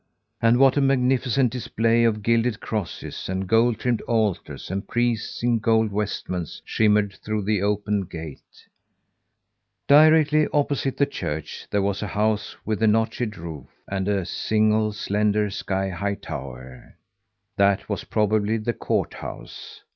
And what a magnificent display of gilded crosses and gold trimmed altars and priests in golden vestments, shimmered through the open gate! Directly opposite the church there was a house with a notched roof and a single slender, sky high tower. That was probably the courthouse.